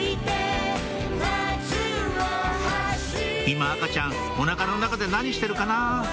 「今赤ちゃんお腹の中で何してるかな」